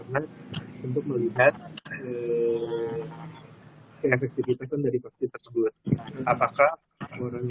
karena untuk melihat efektifitasnya dari vaksin tersebut apakah penyelenggaraan